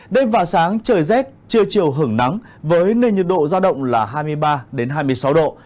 đêm và sáng trời rét trưa chiều hưởng nắng với nền nhiệt độ giao động là hai mươi ba hai mươi sáu độ